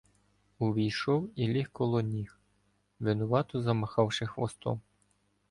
Увійшов і ліг коло ніг, винувато замахавши хвостом.